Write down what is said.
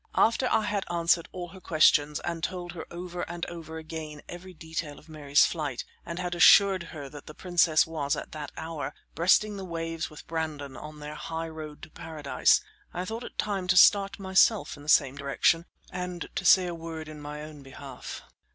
After I had answered all her questions, and had told her over and over again every detail of Mary's flight, and had assured her that the princess was, at that hour, breasting the waves with Brandon, on their high road to paradise, I thought it time to start myself in the same direction and to say a word in my own behalf.